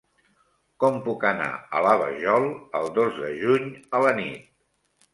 Com puc anar a la Vajol el dos de juny a la nit?